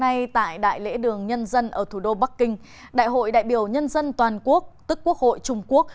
ngay tại đại lễ đường nhân dân ở thủ đô bắc kinh đại hội đại biểu nhân dân toàn quốc